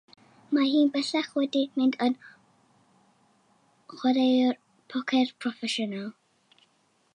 Mae hi bellach wedi mynd yn chwaraewr pocer proffesiynol.